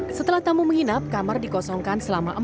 ini dalam regi dekat atau indonesia